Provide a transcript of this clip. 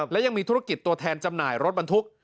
และยังมีธุรกิจตัวแทนจำหน่ายรถบรรทุก